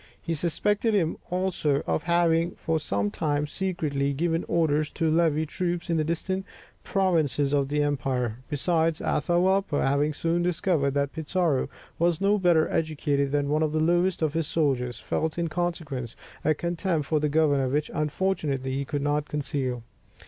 He suspected him also of having for some time secretly given orders to levy troops in the distant provinces of the empire. Besides, Atahualpa having soon discovered that Pizarro was no better educated than one of the lowest of his soldiers, felt in consequence a contempt for the governor which, unfortunately, he could not conceal.